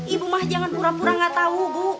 ibu mah jangan pura pura gak tahu bu